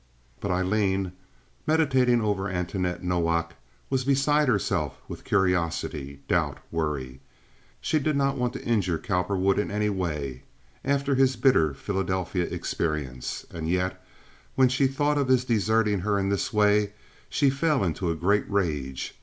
But Aileen, meditating over Antoinette Nowak, was beside herself with curiosity, doubt, worry. She did not want to injure Cowperwood in any way after his bitter Philadelphia experience, and yet when she thought of his deserting her in this way she fell into a great rage.